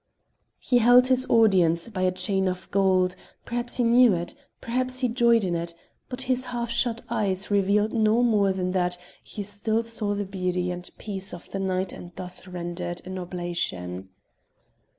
He held his audience by a chain of gold: perhaps he knew it, perhaps he joyed in it, but his half shut eyes revealed no more than that he still saw the beauty and peace of the night and thus rendered an oblation.